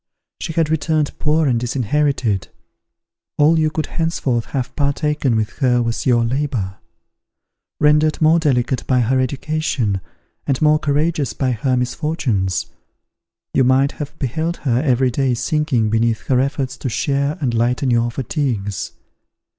She had returned poor and disinherited; all you could henceforth have partaken with her was your labour. Rendered more delicate by her education, and more courageous by her misfortunes, you might have beheld her every day sinking beneath her efforts to share and lighten your fatigues.